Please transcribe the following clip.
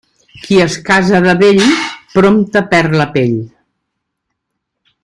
Qui es casa de vell, prompte perd la pell.